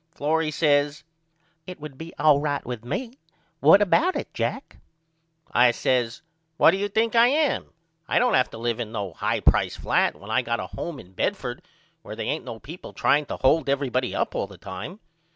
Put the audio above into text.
Florrie says It would be all right with me. What about it Jack? I says What do you think I am? I don't have to live in no high price flat when I got a home in Bedford where they ain't no people trying to hold everybody up all the time.